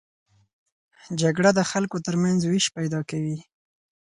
جګړه د خلکو تر منځ وېش پیدا کوي